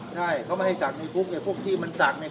ใช่เขาไม่ให้สั่งในคุกเนี่ยพวกที่มันสั่งเนี่ย